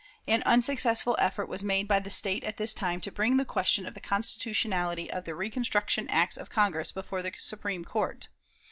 An unsuccessful effort was made by the State at this time to bring the question of the constitutionality of the "reconstruction" acts of Congress before the Supreme Court.